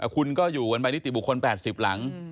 คุณก็อยู่กันไปนิติบุคคล๘๐หลัง